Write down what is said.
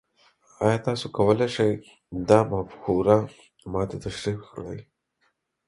ایا تاسو کولی شئ دا مفکوره ما ته تشریح کړئ؟